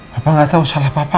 papa gak tau salah papa